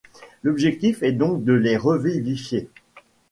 L'objectif est donc de les revivifier.